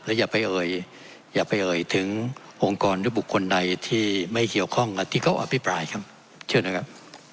และอย่าไปเอ่ยถึงองค์กรหรือบุคคลในที่ไม่เขียวข้องกับที่เขาอภิปรายครับเชื่อหน่อยครับ